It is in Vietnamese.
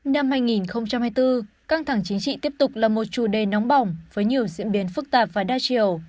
năm hai nghìn hai mươi bốn căng thẳng chính trị tiếp tục là một chủ đề nóng bỏng với nhiều diễn biến phức tạp và đa chiều